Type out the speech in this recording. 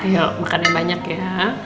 yuk makan yang banyak ya